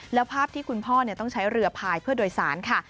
แล้วภาพที่คุณพ่อต้องใช้เรือพายเพื่อโดยสารค่ะ